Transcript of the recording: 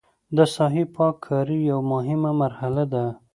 د ساحې پاک کاري یوه مهمه مرحله ده